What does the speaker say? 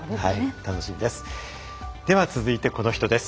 楽しみです。